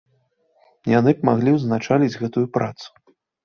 Яны б маглі ўзначаліць гэтую працу.